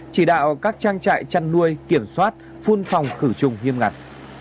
chỉ đạo các trang trại chăn nuôi kiểm soát phun phòng khử trùng nghiêm ngặt